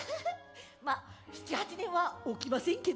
まあ７８年は起きませんけどね。